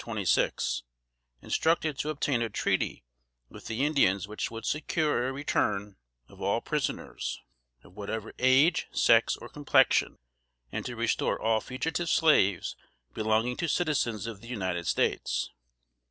26, instructed to obtain a treaty with the Indians which would secure a return of all prisoners, of whatever age, sex or complexion, and to restore all fugitive slaves belonging to citizens of the United States.